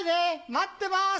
待ってます！